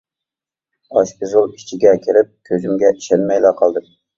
ئاشپۇزۇل ئىچىگە كىرىپ كۆزۈمگە ئىشەنمەيلا قالدىم.